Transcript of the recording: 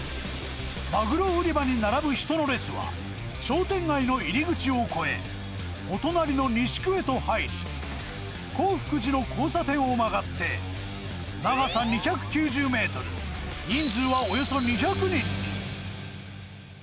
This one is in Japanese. マグロ売り場に並ぶ人の列は、商店街の入り口を越え、お隣の西区へと入り、洪福寺の交差点を曲がって、長さ２９０メートル、人数はおよそ２００人に。